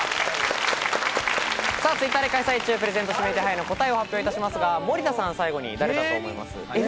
Ｔｗｉｔｔｅｒで開催中、プレゼント指名手配の答えを発表いたしますが、森田さん最後に、誰だと思います？